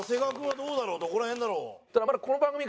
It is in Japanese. どこら辺だろう？